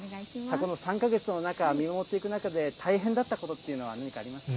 この３か月の中、見守っていく中で、大変だったことっていうのは何かありますか？